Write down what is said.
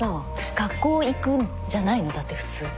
学校行くじゃないの？だって普通って。